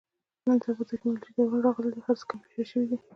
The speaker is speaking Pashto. نن سبا د تکنالوژۍ دوران راغلی دی. هر څه کمپیوټري شوي دي.